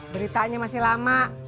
beritanya masih lama